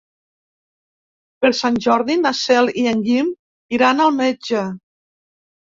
Per Sant Jordi na Cel i en Guim iran al metge.